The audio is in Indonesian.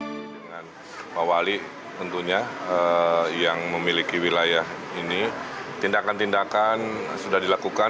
saya dengan pak wali tentunya yang memiliki wilayah ini tindakan tindakan sudah dilakukan